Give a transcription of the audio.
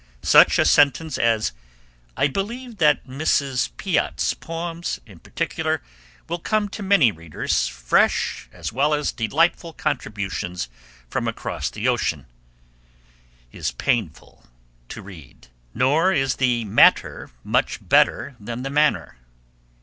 Such a sentence as 'I ... believe that Mrs. Piatt's poems, in particular, will come to many readers, fresh, as well as delightful contributions from across the ocean,' is painful to read. Nor is the matter much better than the manner.